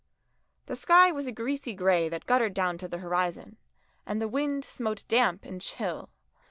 The sky was a greasy grey that guttered down to the horizon, and the wind smote damp and chill.